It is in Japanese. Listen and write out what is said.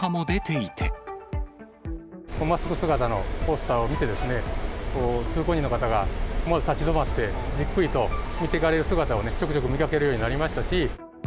マスク姿のポスターを見て、通行人の方が思わず立ち止まって、じっくりと見ていかれる姿を、ちょくちょく見かけるようになりましたし。